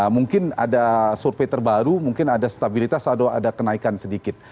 mungkin ada survei terbaru mungkin ada stabilitas atau ada kenaikan sedikit